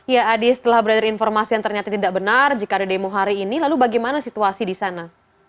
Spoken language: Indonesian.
ya adi setelah beredar informasi yang ternyata tidak benar jika ada demo hari ini lalu bagaimana situasi di sana